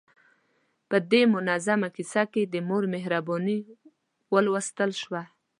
په دې منظومه کیسه کې د مور مهرباني ولوستل شوه.